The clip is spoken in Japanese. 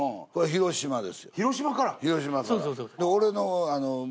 広島から。